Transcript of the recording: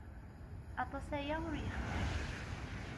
Aṭas aya ur yexdim.